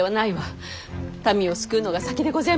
民を救うのが先でごぜえますじょ。